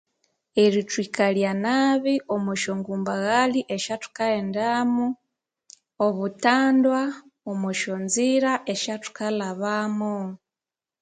Erithwikalya nabi omwa syangumbaghali esyathukaghendamu, obutandwa, omo syonzira esyathukalhabamu.